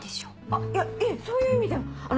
あっいやいえそういう意味では。